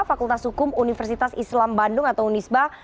fakultas hukum universitas islam bandung atau unisba